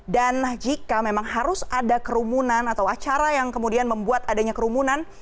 dan jika memang harus ada kerumunan atau acara yang kemudian membuat adanya kerumunan